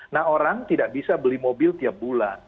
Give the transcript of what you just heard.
nah orang tidak bisa beli mobil tiap bulan